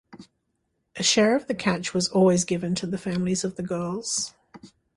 A share of the catch was always given to the families of the girls.